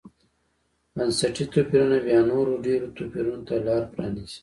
بنسټي توپیرونه بیا نورو ډېرو توپیرونو ته لار پرانېزي.